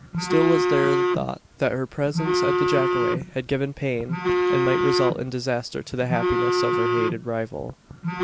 Still was there the thought that her presence at the jacale had given pain, and might result in disaster to the happiness of her hated rival.